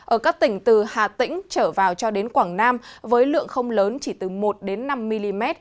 ở các tỉnh từ hà tĩnh trở vào cho đến quảng nam với lượng không lớn chỉ từ một năm mm